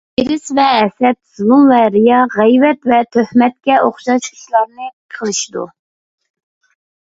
ھېرىس ۋە ھەسەت، زۇلۇم ۋە رىيا، غەيۋەت ۋە تۆھمەتكە ئوخشاش ئىشلارنى قىلىشىدۇ.